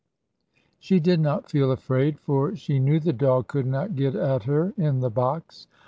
She did not feel afraid, for she knew the dog could not get at her in the box.